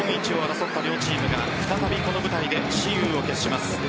去年、日本一を争った両チームが再びこの舞台で雌雄を決します。